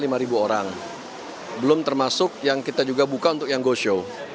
kita buka kuota lima orang belum termasuk yang kita juga buka untuk yang go show